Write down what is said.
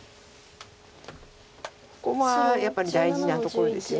ここはやっぱり大事なところですよね。